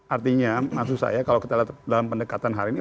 artinya maksud saya kalau kita lihat dalam pendekatan hari ini